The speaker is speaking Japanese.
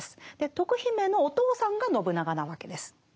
徳姫のお父さんが信長なわけです。